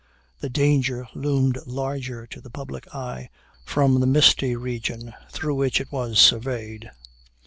The danger loomed larger to the public eye from the misty region through which it was surveyed.